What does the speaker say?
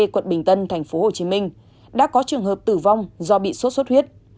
quận bình tân tp hcm đã có trường hợp tử vong do bị sốt xuất huyết